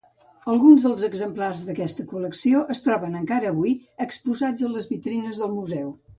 Alguns dels exemplars d'aquesta col·lecció es troben encara avui exposats a les vitrines del Museu.